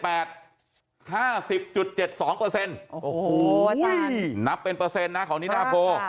๕๐๗๒เปอร์เซ็นต์นับเป็นเปอร์เซ็นต์นะของนิดาโพ